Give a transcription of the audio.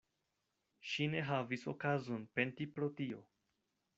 Ŝi ne havis okazon penti pro tio.